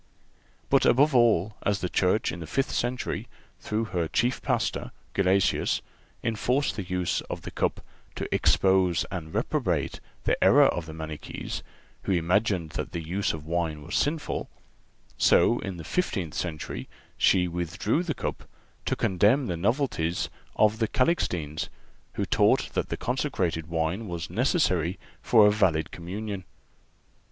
But above all, as the Church in the fifth century, through her chief Pastor, Gelasius, enforced the use of the cup to expose and reprobate the error of the Manichees, who imagined that the use of wine was sinful; so in the fifteenth century she withdrew the cup to condemn the novelties of the Calixtines, who taught that the consecrated wine was necessary for a valid communion.